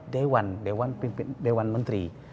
dewan dewan pimpin dewan menteri